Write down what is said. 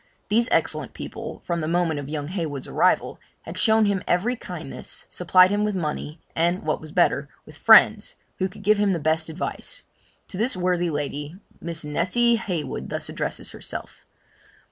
These excellent people, from the moment of young Heywood's arrival, had shown him every kindness, supplied him with money, and what was better, with friends, who could give him the best advice. To this worthy lady, Miss Nessy Heywood thus addresses herself.